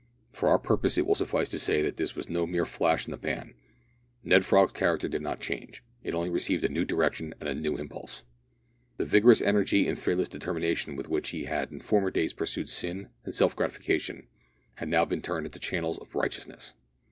For our purpose it will suffice to say that this was no mere flash in the pan. Ned Frog's character did not change. It only received a new direction and a new impulse. The vigorous energy and fearless determination with which he had in former days pursued sin and self gratification had now been turned into channels of righteousness.